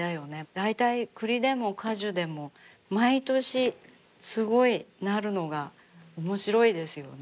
大体栗でも果樹でも毎年すごいなるのが面白いですよね。